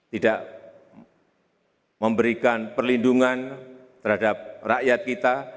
tidak memberikan perlindungan terhadap rakyat kita